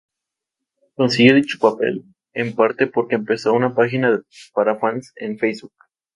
Consiguió dicho papel, en parte, porque empezó una página para fans en Facebook.